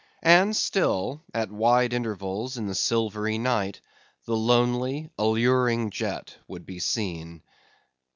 And still, at wide intervals in the silvery night, the lonely, alluring jet would be seen.